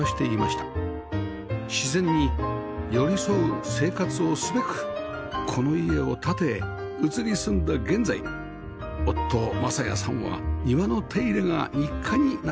自然に寄り添う生活をすべくこの家を建て移り住んだ現在夫雅也さんは庭の手入れが日課になっているんだそうです